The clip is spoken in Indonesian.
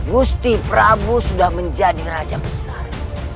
gusti prabu sudah menjadi raja besar